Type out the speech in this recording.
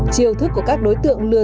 chiều thức của các đối tượng lừa